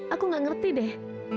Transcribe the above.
aku nggak ngerti deh